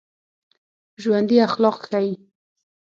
ژوندي اخلاق ښيي